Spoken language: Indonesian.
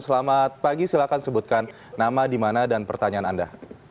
selamat pagi silahkan sebutkan nama dimana dan pertanyaan anda